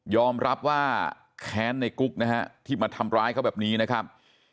อมรับว่าแค้นในกุ๊กนะฮะที่มาทำร้ายเขาแบบนี้นะครับ